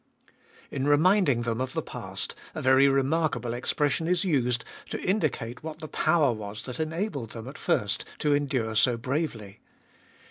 In reminding them of the past a very remarkable expression is used to indicate what the power was that enabled them at first to endure so bravely.